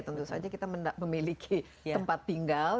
tentu saja kita memiliki tempat tinggal